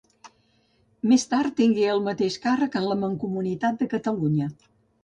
Més tard tingué el mateix càrrec en la Mancomunitat de Catalunya.